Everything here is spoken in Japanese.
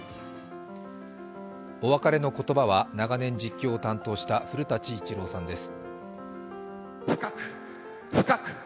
お別れの言葉は長年、実況を担当した古舘伊知郎さんです。